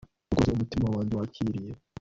Urukundo rwose umutima wanjye wakiriye